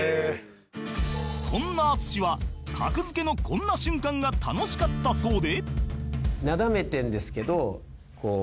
そんな淳は「格付け」のこんな瞬間が楽しかったそうで